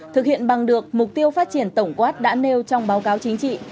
thực hiện bằng được mục tiêu phát triển tổng quát đã nêu trong báo cáo chính trị